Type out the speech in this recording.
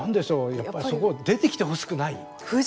やっぱりそこ、出てきてほしくない。